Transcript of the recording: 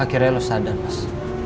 akhirnya lu sadar mas